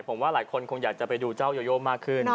ผมว่าหลายคนคงอยากจะไปดูเจ้าโยโยมากขึ้น